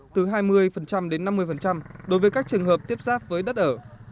từ hai mươi đến năm mươi đối với các trường hợp tiếp giáp với đất ở